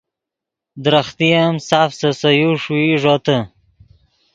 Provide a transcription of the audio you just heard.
درختے ام ساف سے سے یو ݰوئی ݱوتے